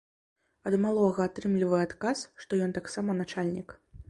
Ад маладога атрымліваю адказ, што ён таксама начальнік.